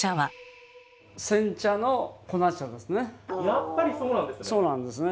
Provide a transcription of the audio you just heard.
やっぱりそうなんですね！